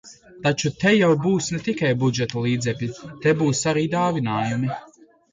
Taču te jau būs ne tikai budžeta līdzekļi, te būs arī dāvinājumi.